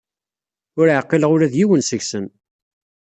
Ur ɛqileɣ ula d yiwen seg-sen.